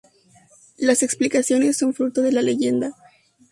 Las explicaciones son fruto de la leyenda.